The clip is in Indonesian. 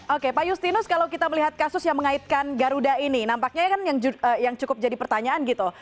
oke pak justinus kalau kita melihat kasus yang mengaitkan garuda ini nampaknya kan yang cukup jadi pertanyaan gitu